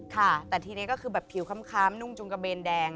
ค่ะแต่ทีนี้ก็คือแบบผิวค้ำนุ่งจุงกระเบนแดง